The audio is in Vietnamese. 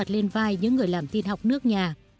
lên vai những người làm tiên học nước nhà